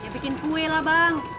bikin kue lah bang